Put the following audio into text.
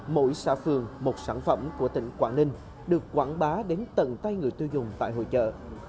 mỗi xã phường một sản phẩm của tỉnh quảng ninh được quảng bá đến tận tay người tiêu dùng tại hội trợ